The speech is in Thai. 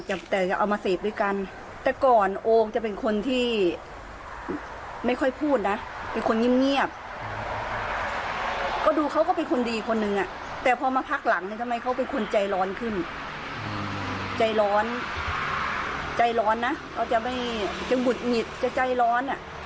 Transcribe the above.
จะหุดหงิดจะใจร้อน